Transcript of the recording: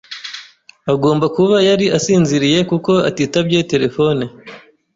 Agomba kuba yari asinziriye kuko atitabye terefone.